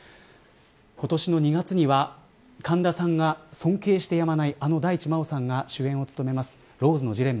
今年の２月には神田さんが尊敬してやまないあの大地真央さんが主演を務めるローズのジレンマ